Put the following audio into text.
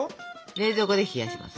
冷蔵庫で冷やします。